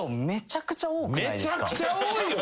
めちゃくちゃ多いよ。